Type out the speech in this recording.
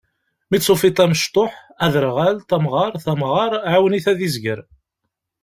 Mi d-tufiḍ amecṭuḥ, aderɣal, tamɣart, amɣar, ɛiwen-it ad yezger.